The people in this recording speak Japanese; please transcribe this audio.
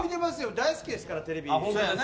大好きですから、テレビ。